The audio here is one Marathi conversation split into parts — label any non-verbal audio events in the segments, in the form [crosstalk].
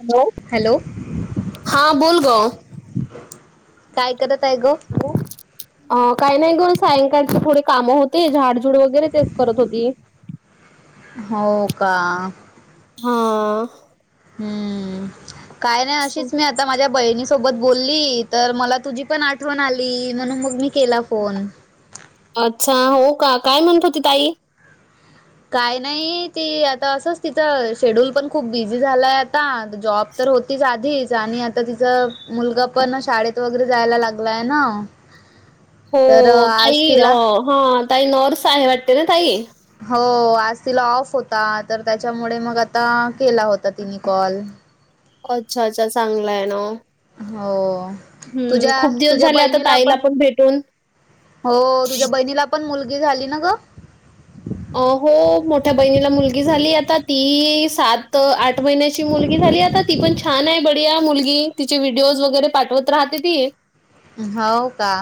हॅलो हॅलो हा बोल ग काय करत आहे गो अ काही नाही कर सायंकाळचे थोडी कामं होते झाडझूड वगैरे तेच करत होती हो का? हा हम्म काय नाही अशीच मी आता आता माझ्या बहिणी सोबत बोलली तर मला तुझी पण आठवण आली म्हणून मग मी केला फोन? अच्छा! हो का? काय म्हणतो होती ताई? काय नाही ती आता असंच तिचं शेड्यूल पण खूप बिझी झालंय आता जॉब तर होतीच आधीच आणि आता तिच मुलगा पण शाळेत वगैरे जायला लागलाय ना? [inaudible] हो तर आज काही अ तिला हा तई नर्स आहे वाटते ना ताई हो आज तिला ऑफ होता तर त्याच्यामुळे मग आता केला होता तिने कॉल? अच्छा अच्छा! चांगला आहे ना हो हम्म तुझ्या खूप दिवस तुझ्या झाले आता बहिणीला ताईला पण भेटून? हो तुझ्या बहिणीला पण मुलगी झाली ना ग? अ हो मोठ्या बहिणीला मुलगी झाली आता ती सात आठ महिन्याची मुलगी झाली आता? ती पण छान आहे बडिया मुलगी तिचे व्हिडिओज वगैरे पाठवत राहते ती. हो का?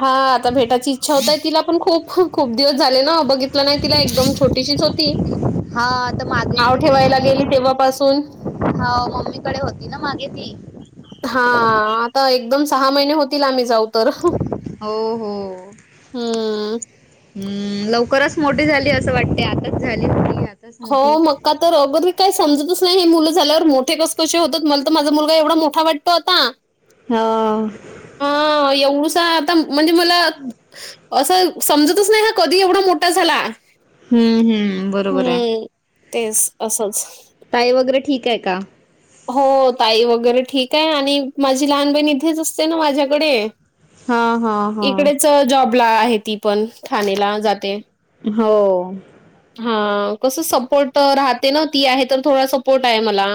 हा आता भेटायची इच्छा होताय तिला पण खूप खूप दिवस झाले ना बघित नाही तिला एकदम छोटीशीच होती हा तर मागे नाव तर ती ठेवायला गेली तेव्हापासून. हो मम्मीकडे होती ना मागे ती हा आता एक दोन सहा महिने होतील आता जाऊन. तर हो हो हम्म हम्म लवकरच मोठी झाली असं वाटते आताच झाली आताच हो मोठी मग? का तर अगर मी काही समजतच नाही हे मुलं झाल्यावर मोठे कस कशे होतात मला तर माझा मुलगा एवढा मोठा वाटतो आता? हा हा एवढसा आता म्हणजे मला असं समजतच नाही हा कधी एवढा मोठा झाला? हम्म हम्म ब हम्म तेच असंच. ताई वगैरे ठीक आहे का? हो ताई वगैरे ठीक आहे आणि माझी लहान बहीण इथेच असते ना माझ्याकडे? हा हा हा इकडेच जॉबला आहे ती पण ठाणेला जाते? हो हा कसं सपोर्ट राहते ना ती आहे तर थोडा सपोर्ट आहे मला.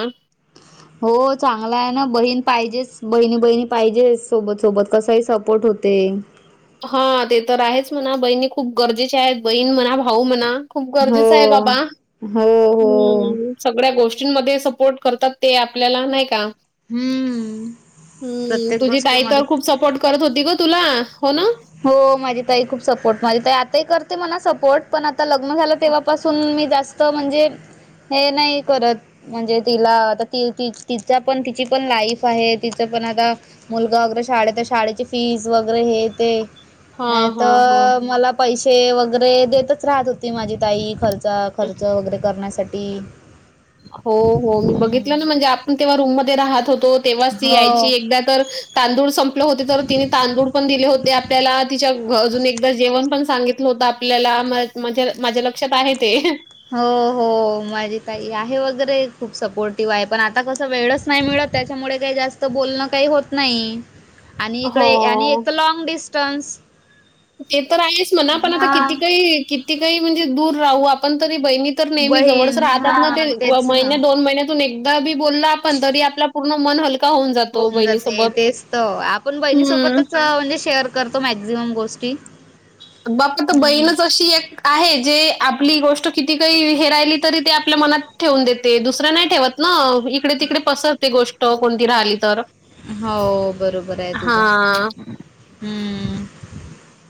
हो चांगला आहे ना बहीण पाहिजेच बहिणी बहिणी पाहिजे सोबत सोबत कस आहे सपोर्ट होतो. ते हा ते तर आहेच म्हणा बहिणी खूप गरजेची आहेत बहीण म्हणा भाऊ म्हणा- खूप हो गरजेचं आहे हो बाबा हो हम्म सगळ्या गोष्टींमध्ये सपोर्ट करतात ते आपल्याला नाही का? हम्म हम्म प्रत्येक तुझी ताई गोष्टीमध्ये तर खूप सपोर्ट करत होती ग तुला हो ना? हो माझी ताई खूप सपोर्ट माझी ताई आताही करते मला सपोर्ट पण आता लग्न झालं तेव्हापासून मी जास्त म्हणजे हे नाही करत? म्हणजे तिला आता ती ती तिच्या पण तिची पण लाईफ आहे तिचं पण आता? मुलगा वैगेरे शाळेत शाळेची फीज वगैरे हेे ते हां, हां, हां. नाहीतर मला पैसे वगैरे देतच राहत होती माझी ताई खर्चा खर्च वगैरे करण्यासाठी. हो हो मी बघितलं ना हम्म म्हणजे आपण तेव्हा रूम मध्ये राहत होतो तेव्हाच ती हो यायची एकदा तर तांदूळ संपले होते तर तिने तांदूळ पण दिले होते आपल्याला तिच्या घ अजून एकदा जेवण पण सांगितलं होत ल्याला म्हणजे माझ्या लक्षात आहे ते? हो हो माझी ताई आहे वगैरे खूप सपोर्टिव्ह आहे पण आता कसं वेळच नाही मिळत? त्याच्यामुळे काही जास्त बोलणं काही होत नाही. आणि इकडे आणि हो. एक तर लँंग डिस्टन्स ते तर आहेच म्हणा पण आता हा किती काही किती काही म्हणजे दूर राहू आपण तरी बहिणी नेहमी जव बहीण राात ना हा तेच ना म्या दोन म एक बी बोलल आपण तरी आपला पूर्ण मन हल होऊन जाते तेच तर आपण हं. बहिणीसोबतच म्हणजे शेअर करतो मॅक्झिमम गोष्टी बाप तर हम्म बहीणच अशी एक आहे जे आपली गोष्ट किती काही हेराहिली तरी ते आपल्या मनात ठेवून देते दुसऱ्या नाही ठेवत ना इकडे तिकडे पसरते गोष्ट कोणती राहिली तर हो बरोबर आहे तुझं हां, हम्म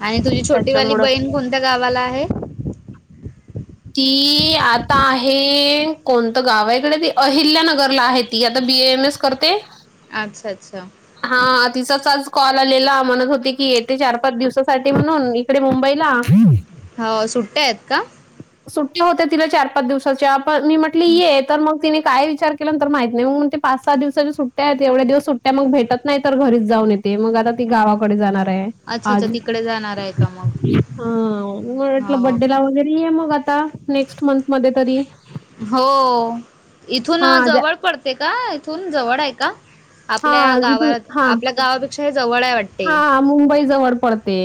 आणि तुझी छोटी वाली त्याच्यामुळं. बहीण कोणत्या गावाला आहे ती आता आहे कोणतं गाव आहे इकडे ती अहिल्यानगरला आहे ती आता बी एम एस करते अच्छा अच्छा हा तिचाच आज कॉल आलेला म्हणत होती की येते चार पाच दिवसासाठी म्हणून म कडे मुंबईला हो सुट्ट्या आहेत का सुट्टी होते तिला चार पाच दिवसाच्या पण मी म्हटली का येत तर मग तिने काय विचार केलंंत मात नाही मग मग ते पाच सात दिवसाच्या सुट्ट्या आहेत एवढ्या दिवस सुट्ट्या मग भेटत नाही तरर घरीच जाऊन येते मग आता ती गावाकडे जाणार आहे. अच्छा अच्छा आज तिकडे जाणार आहे का मग हा हो बर्डे लावागेर आहे मग आता नेक्स्ट मंथ मध्ये तरी. हो इथून हा जा- जवळ पडते का इथून जवळ आहे का आपल्या हा इथून गावात हा आपल्या गावापेक्षा हे जवळ आहे वाटतं हा मुंबई जवळ पडते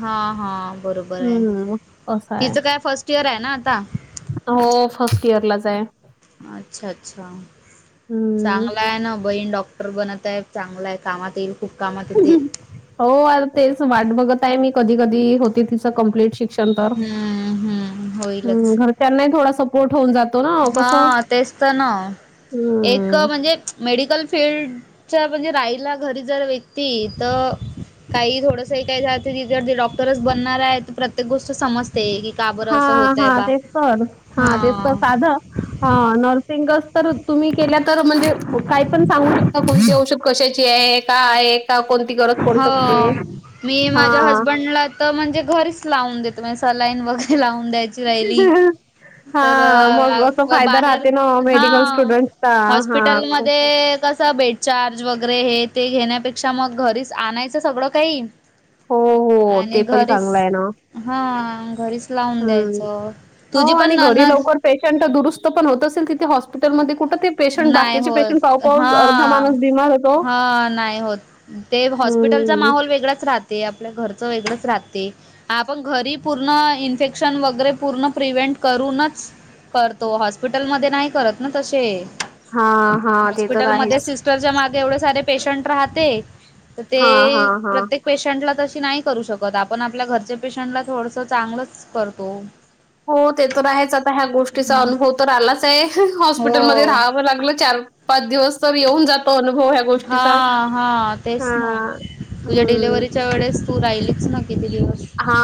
हा हा बरोबर आहे हम्म असं आहे तिचं काय फर्स्ट इयर आहे ना आता हो फर्स्ट इयर लाच आहे अच्छा अच्छा हम्म चांगला आहे ना बहीण डॉक्टर बनत आहे चांगला आहे कामात येईल खूप कामात येेते हो तेच वाट बघत आहे मी कधी कधी होती तिच कमप्लीट शिक हम्म हम्म होईलच घच्या गोठ होऊन जातो ना कस हम् हा तेच तर ना एक म्हणजे मेडिकल फीलडच्या म्हणजे रायला घरी जर व्यक्ती तर काही थोडंसं काही ज त डॉक्टरच बनणार आहे तर प्रत्येक गोष्ट समजते क हा हा तेच तर हा तेच तर साधं हा नर्सिंगस तर तुम्ही केल्या तर म्हणजे काय पण सांगू शकता की औषध कशाची आहे का आहे का कोणती गरज पडू शकते हो मी हा माझ्या हसबंडला म्हणजे घरीच लावून देतो म्हणजे सलाईन वगैरे लावून द्यायची राहिली ह हा तर मग अस फायदा बाहेर राहते ना हा मेडिकल स्टुडंटचा हा हॉस्पिटलमध्ये कसं बेडचार्ज वगैरे हे ते घेण्यापेक्षा मग घरीच आणायचं सगळं काही हो, ह हो ते पण चांगलं आहे ना हा घरीच लावून हं. द्यायचं हो तुझी पण आणि घरी ननद लवकर पेशंट दुरुस्त पण होत असल तिथे हॉस्पिटलमध्येध्ये कुठं ते पेशंट नाही बाकीचे पेशंट पाहू होत हा पाहूच अर्धा माणूस बिमार होतो. हा नाही होत ते हॉस्पिटलचा हम्म माहोल वेगळाच राहते आपल्या घरचं वेगळंच राहते आपण घरी पूर्ण इन्फेक्शन वगैरे पूर्ण प्रिव्हेंट करूनच करतो हॉस्पिटलमध्येध्ये नाही करत ना तसे हा हा ते तर हॉस्पिटल मध्ये आहेच. सिस्टरच्या मागे एवढे सारे पेशंट राहते तर हा हा ते हा. प्रत्येक पेशंटला तशी नाही करू शकत आपण आपल्या घरच्या पेशंटला थोडस चांगलंच करतो हो ते तर आहेच आता ह्या गोष्टीचा हम्म अनुभव तर आलाच आहे हॉस्पिटलमध्येध्ये हो राहावं लागलं चार पा दिवस येऊन जातो अनुभव हा गोष्टीचा हा तेच ना हा. तुझ्या हम्म डिलेव्हीच्या वेळेस तूर राहिलेच न किती दिवस हा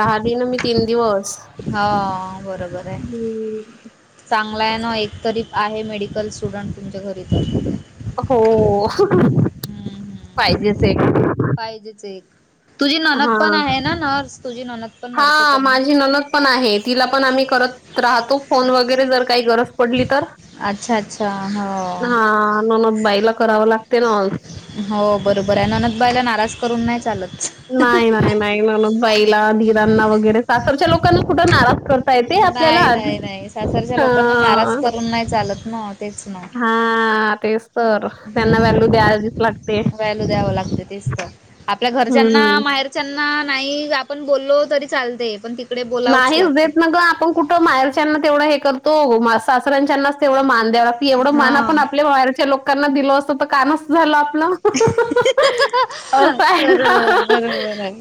राहिली ना मी तीन दिवस हो बरोबर आहे हम्म चांगला आहे ना एक तरी आहे मेडिकल स्टुडंट तुमच्या घरी तर हो हम्म हम्म पाहिजेच एक तुझी ननद पण हा. आहे ना नर्स तुझी ननत हा माझी नलद पण आहे तिला पण आम्ही करत राहतो फोन वगैरे जर काही गरज पडली तर अच्छा अच्छा हो हा न बाईला कराव लागते ना हो बरोबर आहे ननतबाईला नाराज करून नाही चालत नाही नाही नाही ना मग बाईला धीरांना वगैरे सासरच्या लोकांना कुठं नाराज करता येते आपल्याला नाही नाही नाही सासरच्या लोकांना नाराज हा करून नाही चालत ना तेच ना हा तेच तर त्यांना व्हल्यू हम्म द्याजीच लागते व्हॅल्यू द्यावं लागते हम्म ना नाही आपण बोललो तरी चालते पण त नाहीच देत न ग आपण कुठं माहेरच्याना तेवढं हे करतो सासऱ्यांच्यानाच तेवढं मा ्या क एवढं मान आपण हा आपल्या वारच्या लोकांना दिल असतं तर काना झालं आपलं अ काय बर बरोबर आहे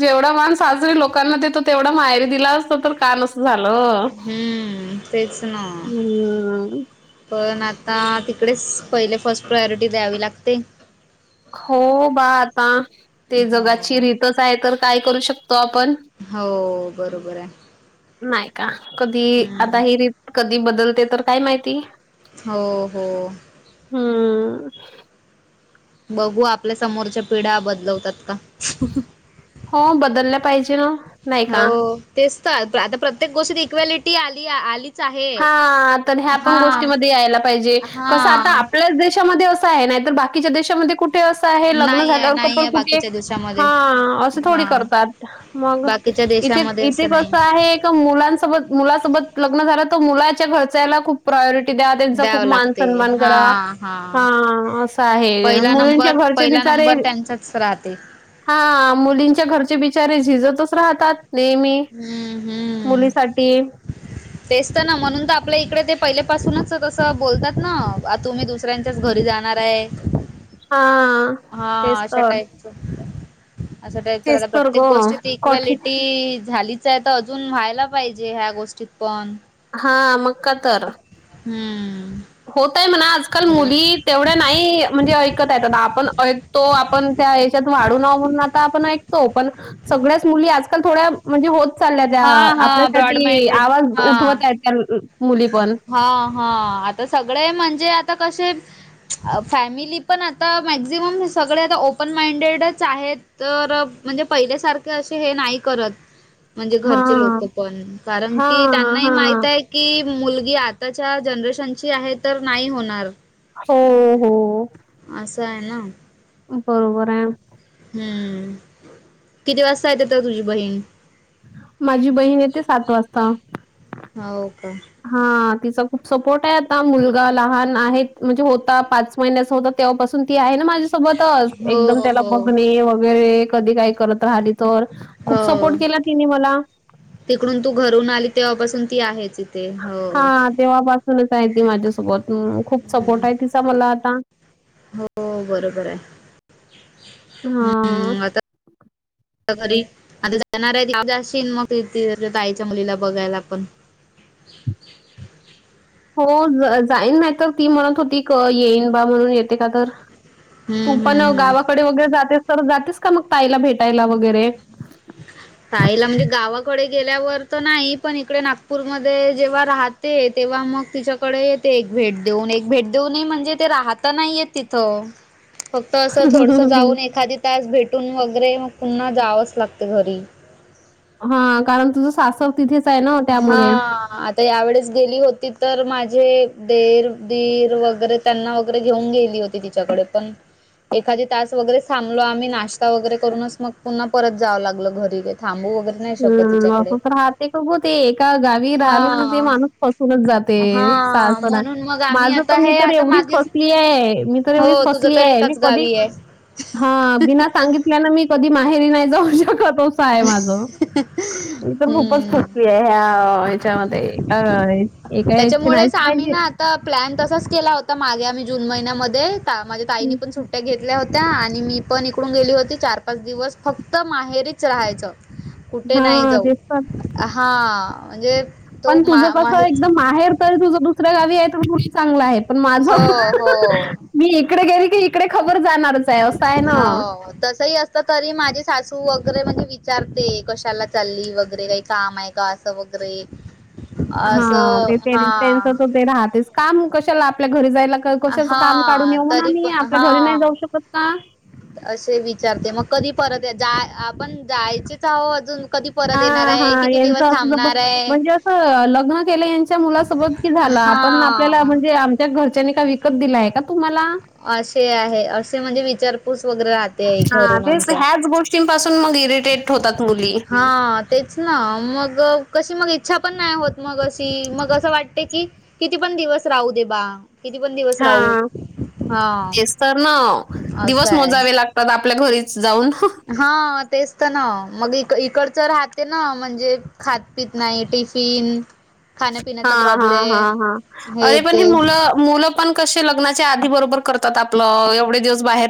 जेवढा माण साजरे लोकांना देतो तेवढा मायरी दिला असत तर का नसत झालो हम्म तेच ना हम् पण आता तिकडेच पहिले फर्स्ट प्रायोरिटी द्यावी लागते हो बा आता ते जगाची हो रीतच आहे तर काय करू शकतो आपण हो बरोबर आहे नाही का कधी आता हम्म ह कधी बदलते तर काय माहिती हो हो हम्म बघू आपल्या समोरच्या पिढ्या बदलवतात का हो बदलल्या पाहिजे ना नाही का हो तेच तर आता प्रत्येक गोष्टीत इक्वेलिटी आली आली हा तर ह्या पण गोष्टीमध्ये यायला पाहिजे कस आता हा आपल्याच देशामध्ये अस नाही तर बाकीच्या देशामध्ये कुठे आहे लग्न नाही आहे झाल्यावर नाही कपड आहे कुठे बाकीच्या देशामध्ये हा असं थोडी हा करतात मग बाकीच्या इथे देशामध्ये इथे असं कस नाही आहे मुलांसोबत मुलासोबत लग्न झालं तर मुलाच्या घरचायला खूप प्रायोरिटी द्या त्यांचा द्यावं खूप मान लागते सन्मान हा करा हा ह अस आहे पहिला मुलींच्या नंबर घरचेी पहिला नंबर त्यांच्याच राह हा मुलींच्या घरचे बिचारे झिजतच राहतात नेहमी हम्म हम्म मुलीसाठी तेच तर ना म्हणून तर आपल्या इकडे ते पहिले पाासूनच तसं बोलतात ना तुम्ही दुस दुसऱ्यांच्याच घरी जाणार आहे हा हा अशा टाईपच असं तेच आता तर प्रत्येक ग गोष्टीत कठीण इक्वेलिटी झालीच तर अजून व्हायला पाहिजे ह्या गोष्टीत पण हा मग का तर हम्म होतय म्हणा आजकाल बरोबर मुली तेवढ्या नाही म्हणजे ऐकत आहेत आ आपण ऐकतो आपण त्या याच्यात वाढू न म्हणून आता आपण पण सगळ्याच मुली आ. ल थोड्या म्हणजे होत चालल्या त्या हा हा ब्रॉड आपल्यासाठी माइंडेड आवाज. हा उठवत मुली पण. हा हा आता सगळे म्हणजे आता कसे फॅमिली पण आता मॅक्झिमम सगळे आता ओपन माइंडेडच आहेत. तर म्हणजे पहिल्यासारखे असे हे नाही करत. म्हणजे हा घरचे लोक पण कारण हा की त्यांनाही हा माहित आहे. कि मुलगी आताच्या जनरेशनची आहे तर नाही होणार. हो हो. हो. असं आहे ना. बरोबर आहे. हम्म किती वाजता येते तर तुझी बहीण. माझी बहीण येते सात वाजता. हो का. हा तिचा खूप सपोर्ट आहे आता मुलगा लहान आहेत म्हणजे होता पाच महिन्याचा होता. तेव्हापासून ती आहे ना माझ्यासोबतच हो एकदम त्याला हो बघणे वगैरे कधी काही करत राहली. तर खूप हो सपोर्ट केला तिने मला. तिकडून तू घरून आली तेव्हापासून ती आहेच इथे हो. हां, तेव्हापासूनच आहे ती माझ्यासोबत खूप सपोर्ट आहे तिचा मला आता. हो बरोबर आहे हां. हम् आता. घरी आता जाणार आहे जा मग आईच्या मुलीला बघायला आपण. हो जाईन नाही तर ती म्हणत होती क येईन बा म्हणून येते का तर. तू हम्म पण हम्म हम्म. गावाकडे वगैरे जातेस तर जातेस का मग ताईला भेटायला वगैरे. तईला म्हणजे गावाकडे गेल्यावर तर नाही पण इकडे नागपूरमध्ये जेव्हा राहत. ते तेव्हा मग तिच्याकडे येते एक भेट देऊन एक भेट देऊनही म्हणजे ते राहताना नाही येत. तथो. फक्त असं थोडस जाऊन एखादी तास भेटून वगैरे मग पुन्हा जावंच लागत घरी. हा कारण तुझं सासक तिथे. हा. आता यावेेळेस गेली होती तर माझे देर दीर वगैरे. त्यांना वगैरे घेऊन गेली होती तिच्याकडे पण. एखादी तास वगैरे थांबलोम्हीश्ता वगैरे करूनच मग पुन्हा परत जावं लागलं घरी थांबू वगैरे. नाही शकत हम् तिच्याकडे असंच राहते का ग ते एका गा. हा माणू फसून जाते स हा म्हणून मग माझ आम्ही आता मी हे तर आता एवढी. मागे फसली आहे मी तर एवढी हो तुझं फसली तर आहे मी एकाच कधी. गावी आहे हा बिना सांगितल्या ना मी कधी माहेरी नाही जाऊ शकत तोसं आहे माझं. मी तर खूपच हम्म खोटली आहे ह्या हच्यामध्ये एका याचे नाहीच पाहिजे. ता प्लॅन तसाच केला होता मागे आम्ही जून महिन्यामध्ये माझ तईनी हं, पण सुट. ्या घेतल्या होत्या आणि मी पण इकडून गेली होती चार पाच दिवस फक्त माहेरीच राहायचं. कुठे नाही हां, जाऊ तेच तर. हा म्हणजे तो पण मा तुझं कसं माहेर. एकदम माहेर तरी तुझ दुसऱ्या गावी आहे तर खूप चांगलं आहे पण माझ. हो हो मी इकडे गेली की इकडे खबर जाणारच आहे असं आहे ना. तस अस. तर तरी माझी सासू वगैरे म्हणजे विचारते कशाला चालली वगैरे काही काम आहे. कासा वगैरे. हा ते असं हा त्यांच तर ते राहतेच काम कशाला आपल्या घरी जायला. कशाच काम काढून हा येऊ ना तरी आम्ही पण आपल्या घरी नाही हा जाऊ शकत का. असे विचारते मग कधी परत जा आपण. जायचेचह अजून कधी परत येणार हां, आहे हां, किती यांचं दिवस असं जब थांबणार आहे म्हणजे असं लग्न केलं यांच्या मुलासोबत कि झालं आपण आपल्याला हा म्हणजे आमच्या घरच्यानी का विकत दिलाय का तुम्हाला असे आहे असे म्हणजे विचारपूस वगैरे राहते हा घरून ते आमच्या ह्याच गोष्टींपासून मग इरिटेट होतात मुली हा तेच ना मग कशी मग इच्छा पण नाही होत मग अशी मग असं वाटते की किती पण दिवस राहू दे बा किती पण दिवस हा राहू हा तेच तर ना असं दिवस आहे मोजावे लागते आपल्या घरीच जाऊन हा तेच तर ना मग इक इकडचं राहते ना म्हणजे. खातपीत नाही टिफिन हा खाण्यापिण्याचा हा हा हा प्रॉब्लेम अरे पण हे ते मुलं मुलं पण कसे लग्नाच्या आधी बरोबर करतात आपलं एवढे दिवस बाहेर